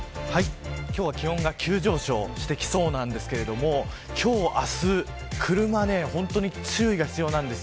今日は気温が急上昇してきそうなんですけど今日、明日は車本当に注意が必要です。